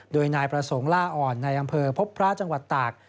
โดยนายประสงค์ล่าอ่อนในอำเภอพบพระจังหวัดตาก